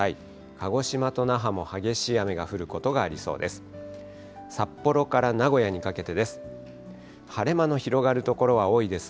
鹿児島と那覇も激しい雨が降ることがありそうです。